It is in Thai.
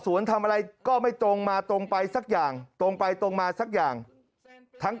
ทำอะไรก็ไม่ตรงมาตรงไปสักอย่างตรงไปตรงมาสักอย่างทั้ง